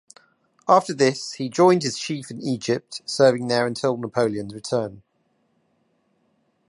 After this he joined his chief in Egypt, serving there until Napoleon's return.